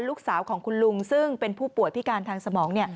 ลูกสาวของคุณลุงซึ่งเป็นผู้ป่วยพิการทางสมอง